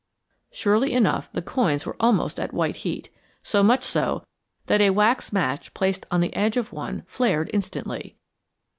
Surely enough, the coins were almost at white heat; so much so, that a wax match placed on the edge of one flared instantly.